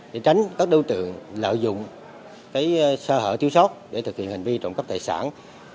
để tránh các đối tượng lợi dụng cái xa hở tiêu sóc để thực hiện hành vi trộm cắp tài sản